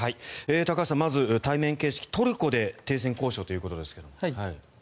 高橋さん、まず対面形式でトルコで停戦交渉ということですが。